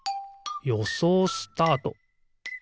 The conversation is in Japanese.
よそうスタート！